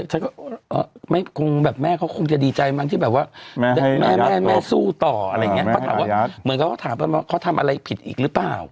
เขาถามว่าไม่คงแบบแม่เขาคงจะดีใจหรือนี่แม่สู้ต่อเมื่อก็ถามเขาทำอะไรผิดอีกหรือเปล่า